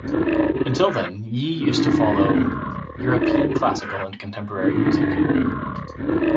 Until then Yi used to follow European classical and contemporary music.